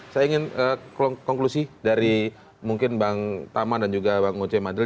saya ingin konklusi dari mungkin bang taman dan juga bang oce madril